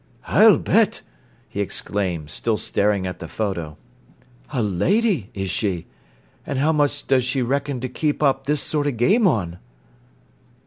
"I'll bet!" he exclaimed, still staring at the photo. "A lady, is she? An' how much does she reckon ter keep up this sort o' game on?"